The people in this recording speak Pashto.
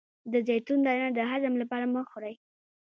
د زیتون دانه د هضم لپاره مه خورئ